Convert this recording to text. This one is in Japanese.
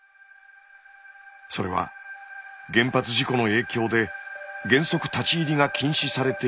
それは原発事故の影響で原則立ち入りが禁止されていた区域。